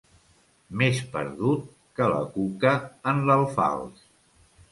Més perdut que la cuca en l'alfals.